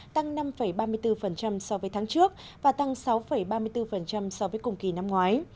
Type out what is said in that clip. tăng năm ba mươi bốn so với tháng trước và tăng sáu ba mươi bốn so với cùng kỳ năm ngoái